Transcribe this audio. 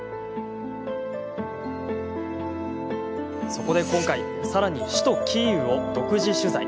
そこで今回さらに首都キーウを独自取材。